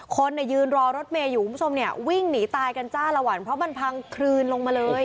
คนยืนรอรถเมย์อยู่คุณผู้ชมเนี่ยวิ่งหนีตายกันจ้าละวันเพราะมันพังคลืนลงมาเลย